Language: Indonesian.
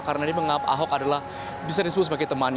karena dia menganggap ahok adalah